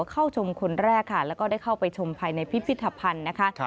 เข้าชมคนแรกค่ะแล้วก็ได้เข้าไปชมภายในพิพิธภัณฑ์นะคะ